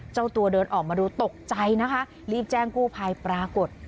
เจ้าตัวเดินออกมาดูตกใจนะคะรีบแจ้งกู้ภัยปรากฏ